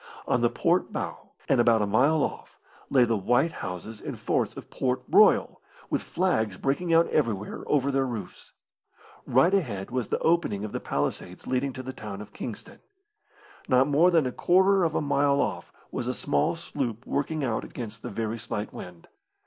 On the port bow, and about a mile off, lay the white houses and forts of Port Royal, with flags breaking out everywhere over their roofs. Right ahead was the opening of the palisades leading to the town of Kingston. Not more than a quarter of a mile off was a small sloop working out against the very slight wind.